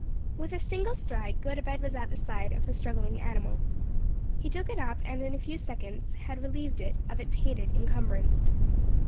With a single stride Gotobed was at the side of the struggling animal. He took it up and in a few seconds had relieved it of its hated incumbrance.